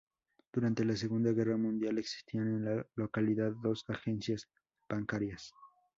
Durante la Segunda Guerra Mundial existían en la localidad dos Agencias Bancarias.